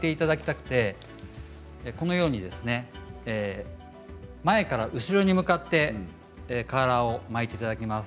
このマネキンのように前から後ろに向かってカーラーを巻いていただきます。